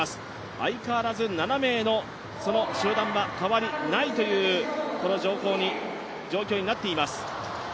相変わらず７名の集団は変わりないという状況になっています。